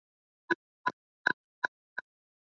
Tulijiunga pamoja.